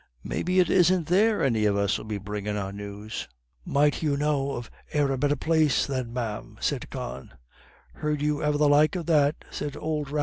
Maybe it isn't there any of us'ill be bringin' our news." "Might you know of e'er a better place then, ma'am?" said Con.